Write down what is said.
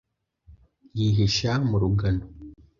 Yihisha mu rugano